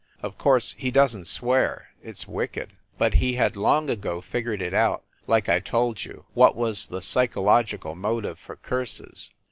Of course he doesn t swear it s wicked! But he had long ago figured it out, like I told you, what was the psychological motive for curses.